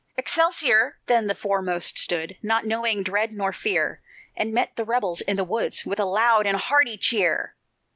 Excelsior then the foremost stood, Not knowing dread nor fear, And met the rebels in the woods, With a loud and hearty cheer.